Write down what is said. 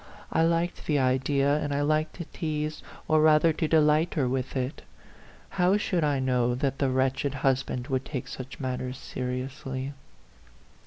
I liked the idea, and I liked to tease, or rather to delight her with it. How should I know that the wretched husband would take such matters seriously